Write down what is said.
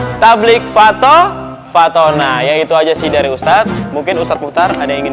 pour tak blik fatto fatonasyayaitu aja sih dari ustadz mungkin cara seputar ada ingin